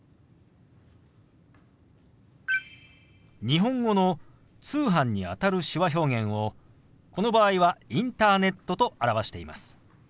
日本語の「通販」にあたる手話表現をこの場合は「インターネット」と表しています。